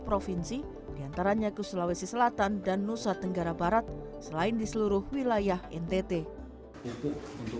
provinsi diantaranya ke sulawesi selatan dan nusa tenggara barat selain di seluruh wilayah ntt untuk